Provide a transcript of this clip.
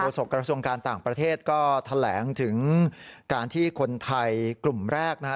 กระทรวงการต่างประเทศก็แถลงถึงการที่คนไทยกลุ่มแรกนะฮะ